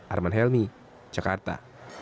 arman helmi jakarta